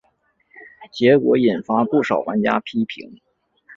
结果引发不少玩家批评。